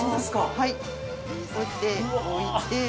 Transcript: はいこうやって置いて。